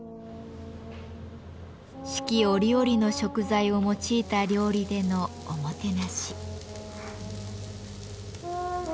四季折々の食材を用いた料理でのおもてなし。